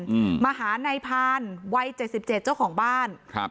อืมมาหานายพานวัยเจ็ดสิบเจ็ดเจ้าของบ้านครับ